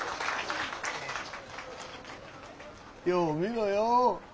よう見ろよ。